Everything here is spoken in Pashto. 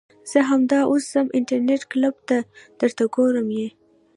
زه همدا اوس ځم انترنيټ کلپ ته درته ګورم يې .